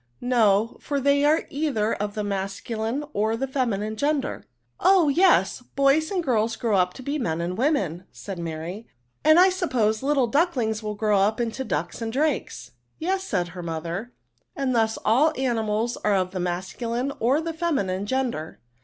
'* No ; for they are all either of the mas* culine or the feminine gender." " Oh I yes ; bojrs and girls grow up to be men and women," said Mary ;<< and I sup NOUNS. 128 pose the little ducklings will grow up into ducks and drakes." Yes/* said her mother ;" and thus all animals are of the masculine or the feminine gender."